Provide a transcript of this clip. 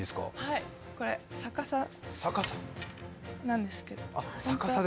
はい、これ逆さなんですけど。